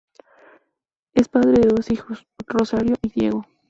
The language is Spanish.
Es padre de dos hijos, Rosario y Diego.